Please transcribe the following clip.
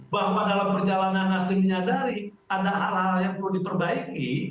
bahwa dalam perjalanan nasdem menyadari ada hal hal yang perlu diperbaiki